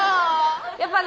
やっぱね